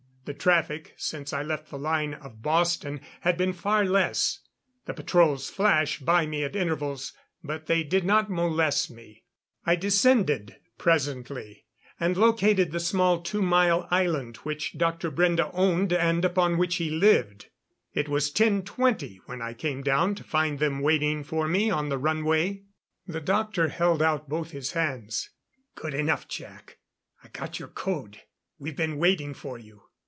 The traffic, since I left the line of Boston, had been far less. The patrols flashed by me at intervals, but they did not molest me. I descended presently, and located the small two mile island which Dr. Brende owned and upon which he lived. It was 10:20 when I came down to find them waiting for me on the runway. The doctor held out both his hands. "Good enough, Jac. I got your code we've been waiting for you."